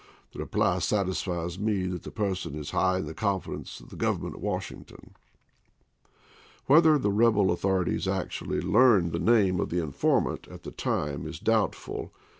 The reply satisfies me that the person is high in the confidence of the Govern ment at Washington." Whether the rebel author ities actually learned the name of the informant at the time is doubtful.